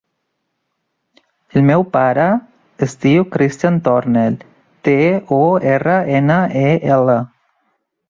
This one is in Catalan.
El meu pare es diu Christian Tornel: te, o, erra, ena, e, ela.